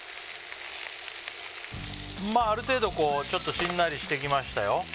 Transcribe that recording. ある程度ちょっとしんなりしてきましたよ